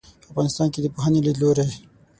په افغانستان کې د پوهنې لیدلورى